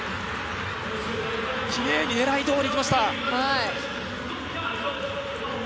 きれいに狙いどおりいきました。